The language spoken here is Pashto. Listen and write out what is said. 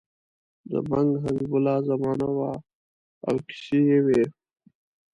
د بنګ حبیب الله زمانه وه او کیسې یې وې.